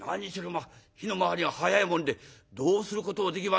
まあ火の回りが早いもんでどうすることもできませんでした。